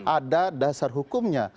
ada dasar hukumnya